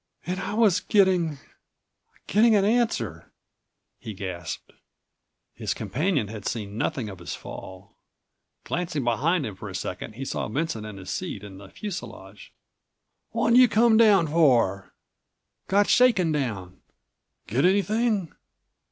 "And I was getting—getting an answer," he gasped. His companion had seen nothing of his fall. Glancing behind him for a second, he saw Vincent in his seat in the fuselage.183 "What'd you come down for?" "Got shaken down." "Get anything?"